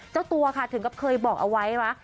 เจ้าตัวค่ะถึงกับเคยบอกเอาไว้ว่า